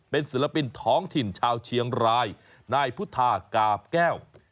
เป็นศิลปินท้องถิ่นชาวเชียงรายนายพุทธากาบแก้ว